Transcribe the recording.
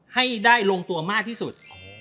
ให้ได้ลงตัวมากที่สุด